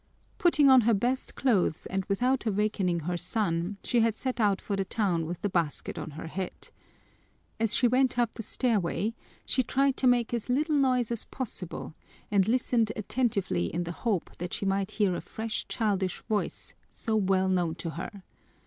Putting on her best clothes and without awakening her son, she had set out for the town with the basket on her head. As she went up the stairway she, tried to make as little noise as possible and listened attentively in the hope that she might hear a fresh, childish voice, so well known to her.